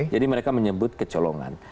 jadi mereka menyebut kecolongan